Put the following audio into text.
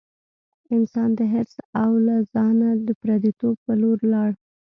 انسان د حرص او له ځانه پردیتوب په لور لاړ.